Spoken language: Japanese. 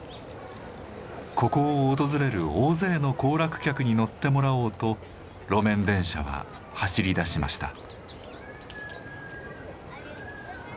ここを訪れる大勢の行楽客に乗ってもらおうと路面電車は走りだしました。